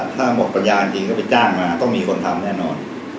ถ้าหมดปัญญาจริงก็ไปจ้างมาต้องมีคนทำแน่นอน